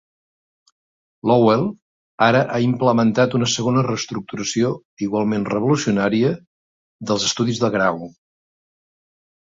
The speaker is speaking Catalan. Lowell ara ha implementat una segona reestructuració igualment revolucionària dels estudis de grau.